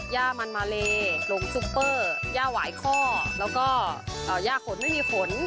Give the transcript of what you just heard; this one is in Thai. ย่ามันมาเลโรงย่าหวายข้อแล้วก็เอ่อย่าขนไม่มีขน